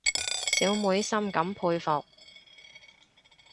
小妹深感佩服